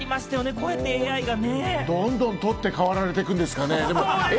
こうやってＡＩがね。どんどん取って代わられていくんですかね？